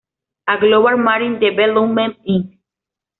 A Global Marine Development Inc.